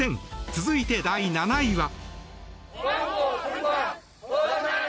続いて、第７位は。